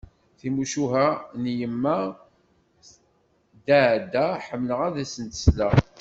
Timucuha n yemma Daɛda ḥemmleɣ ad asent-sleɣ.